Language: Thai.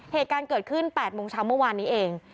เหตุการณ์เกิดขึ้น๘นเมื่อวานนี้เอง